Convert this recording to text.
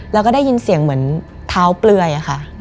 แล้วก็ได้ยินเสียงเหมือนเท้าเปลือยค่ะ